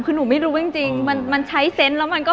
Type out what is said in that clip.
คือหนูไม่รู้จริงมันใช้เซนต์แล้วมันก็